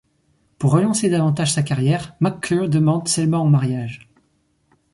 Pour relancer davantage sa carrière, McClure demande Selma en mariage.